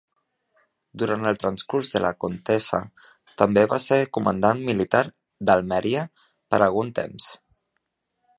Durant el transcurs de la contesa també va ser comandant militar d'Almeria per algun temps.